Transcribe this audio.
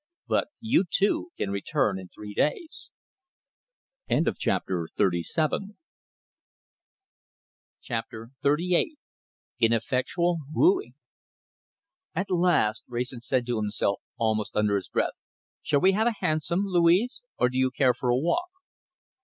But you, too, can return in three days." CHAPTER XXXVIII INEFFECTUAL WOOING "At last!" Wrayson said to himself, almost under his breath. "Shall we have a hansom, Louise, or do you care for a walk?"